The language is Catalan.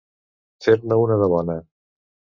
Fer-ne una de bona.